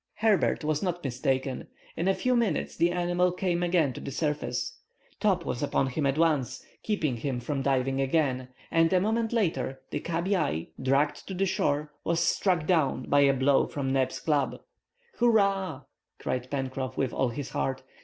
Herbert was not mistaken. In a few minutes the animal came again to the surface. Top was upon him at once, keeping him from diving again, and a moment later, the cabiai, dragged to the shore, was struck down by a blow from Neb's club. "Hurrah!" cried Pencroff with all his heart.